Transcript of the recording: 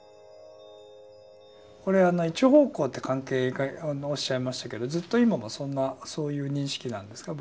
これは一方向って関係とおっしゃいましたけどずっと今もそういう認識なんですか？